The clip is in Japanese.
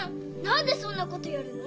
なんでそんなことやるの！？